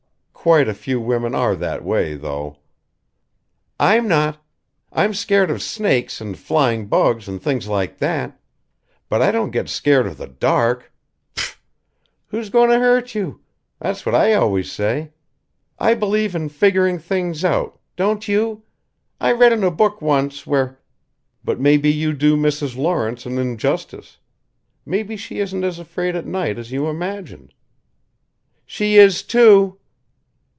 "Quite a few women are that way, though " "I'm not. I'm scared of snakes and flying bugs and things like that. But I don't get scared of the dark pff! Who's going to hurt you? That's what I always say. I believe in figuring things out, don't you I read in a book once where " "But maybe you do Mrs. Lawrence an injustice. Maybe she isn't as afraid at night as you imagine." "She is, too."